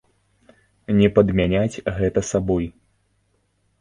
Не падмяняць гэта сабой!